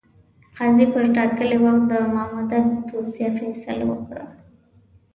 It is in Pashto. قاضي پر ټاکلي وخت د مامدک دوسیه فیصله کړه.